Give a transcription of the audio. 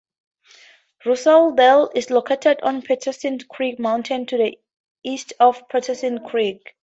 Russelldale is located on Patterson Creek Mountain to the east of Patterson Creek.